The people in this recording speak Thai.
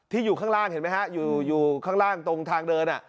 อยู่ข้างล่างเห็นไหมฮะอยู่ข้างล่างตรงทางเดิน